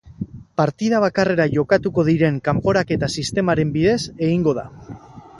Partida bakarrera jokatuko diren kanporaketa sistemaren bidez egingo da.